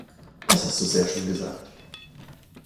Das hast du sehr schön gesagt.